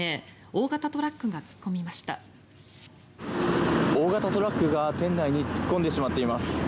大型トラックが店内に突っ込んでしまっています。